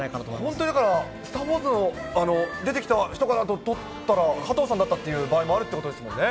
本当だから、スター・ウォーズの出てきた人かなととったら、加藤さんだったという場合もあるということですもんね。